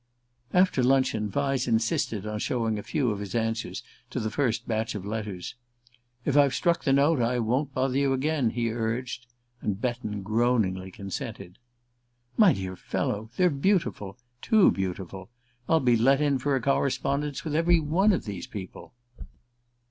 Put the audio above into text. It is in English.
After luncheon Vyse insisted on showing a few of his answers to the first batch of letters. "If I've struck the note I won't bother you again," he urged; and Betton groaningly consented. "My dear fellow, they're beautiful too beautiful. I'll be let in for a correspondence with every one of these people."